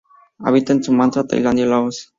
Habita en Sumatra, Tailandia y Laos.